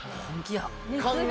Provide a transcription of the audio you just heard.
本気や。